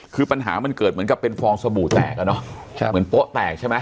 คือปัญหามันเกิดเหมือนกับเป็นฟองสบู่แตกอ่ะเนอะเหมือนโป๊ะแตกใช่ไหม